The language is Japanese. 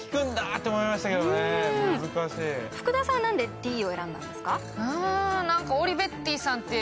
福田さん何で「Ｄ」を選んだんですか？